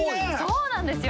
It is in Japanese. そうなんですよ！